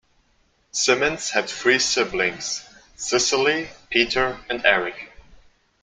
Simonds had three siblings, Cicely, Peter and Eric.